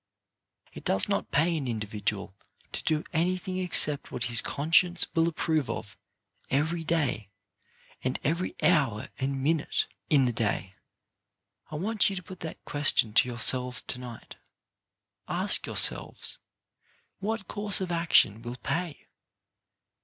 It does not pay an individual to do anything except what his conscience will approve of every day, and every hour and minute in the day. I want you to put that question to yourselves to night: ask yourselves what course of action will pay.